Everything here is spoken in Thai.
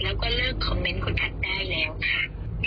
แล้วก็เลิกคอมเมนต์คุณแพทย์ได้แล้วค่ะ